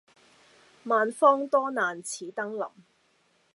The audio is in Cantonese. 萬方多難此登臨。